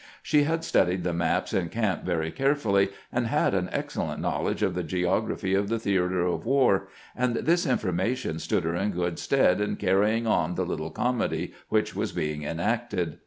She had studied the maps in camp very carefully, and had an excellent knowledge of the geography of the theater of war, and this informa tion stood her in good stead in carrying on the little comedy which was being enacted.